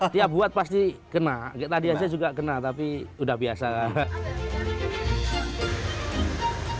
tiap buat pasti kena tadi aja juga kena tapi udah biasa kan